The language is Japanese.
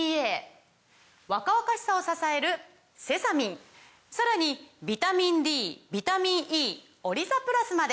若々しさを支えるセサミンさらにビタミンＤビタミンＥオリザプラスまで！